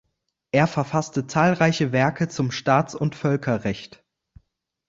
Er verfasste zahlreiche Werke zum Staats- und Völkerrecht.